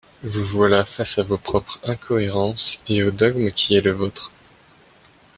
Vous voilà face à vos propres incohérences et au dogme qui est le vôtre.